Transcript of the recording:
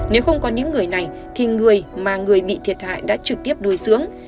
nếu không có những người này thì người mà người bị thiệt hại đã trực tiếp nuôi dưỡng